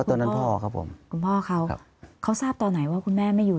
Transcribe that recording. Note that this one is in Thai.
ครับตอนนั้นตอนนั้นพ่อครับผมคุณพ่อเขาเขาทราบตอนไหนว่าคุณแม่ไม่อยู่